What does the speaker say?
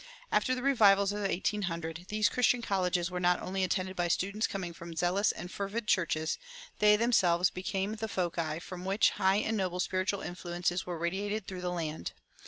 After the revivals of 1800 these Christian colleges were not only attended by students coming from zealous and fervid churches; they themselves became the foci from which high and noble spiritual influences were radiated through the land.